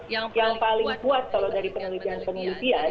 yang paling kuat kalau dari penelitian penelitian